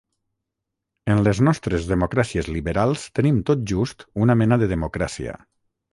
En les nostres democràcies liberals tenim tot just una mena de democràcia.